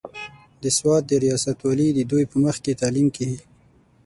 د سوات د رياست والي د دوي پۀ مخکښې تعليم کښې